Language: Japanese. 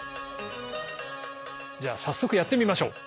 じゃあ早速やってみましょう。